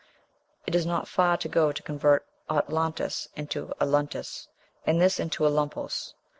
It is not far to go to convert Otlontis into Oluntos, and this into Olumpos.